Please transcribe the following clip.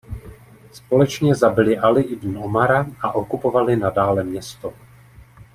Společně zabili Ali ibn Omara a okupovali nadále město.